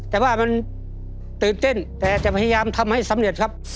แต่ว่ามันตื่นเต้นแต่จะพยายามทำให้สำเร็จครับ